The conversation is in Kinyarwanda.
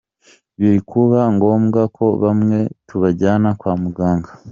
Biri kuba ngombwa ko bamwe tubajyana kwa muganga.